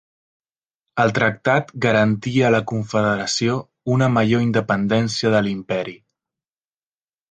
El tractat garantia a la Confederació una major independència de l'imperi.